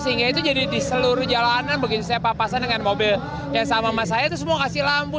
sehingga itu jadi di seluruh jalanan begitu saya papasan dengan mobil yang sama sama saya itu semua kasih lampu